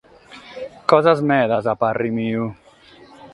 Cosas medas a parre meu.